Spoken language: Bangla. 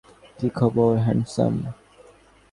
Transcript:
কী খবর, হ্যান্ডসাম?